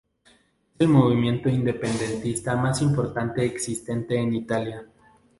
Es el movimiento independentista más importante existente en Italia.